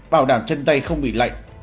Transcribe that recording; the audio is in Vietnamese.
bảo đảm chân tay không bị lạnh